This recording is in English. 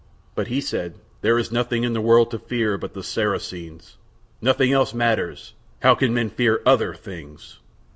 But he said, "There is nothing in the world to fear but the Saracens. Nothing else matters. How can men fear other things?"